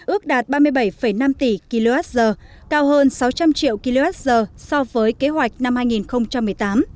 ước đạt ba mươi bảy năm tỷ kwh cao hơn sáu trăm linh triệu kwh so với kế hoạch năm hai nghìn một mươi tám